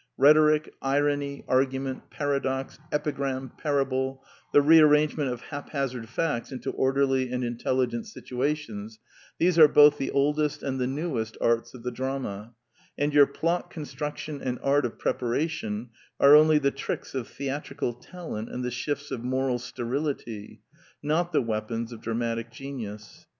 Rhetoric, irony, argument, paradox, epigram, parable, the re arrangement of haphazard facts into orderly and intelligent situations : these are both the old est and the newest arts of the drama; and your plot construction and art of preparation are only the tricks of theatrical talent and the shifts of moral sterility, not the weapons of dramatic genius.